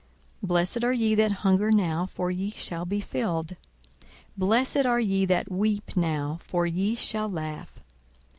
42:006:021 Blessed are ye that hunger now: for ye shall be filled. Blessed are ye that weep now: for ye shall laugh.